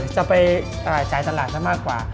จะไปอ่าจายตลาดสน๕๐๐กว่า